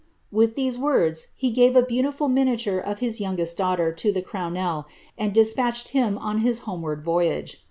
With these words, he gaff > beautiful miniature of his youngest daughter to the crownel, and ile. patehed him on his homeward voyage.